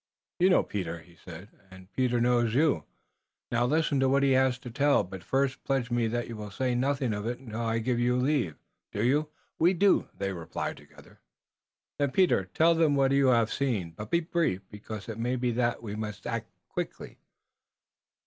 "You know Peter," he said, "und Peter knows you. Now, listen to what he hass to tell, but first pledge me that you will say nothing of it until I give you leave. Do you?" "We do," they replied together. "Then, Peter, tell them what you haf seen, but be brief, because it may be that we must act quickly."